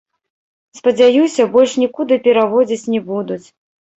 Спадзяюся, больш нікуды пераводзіць не будуць.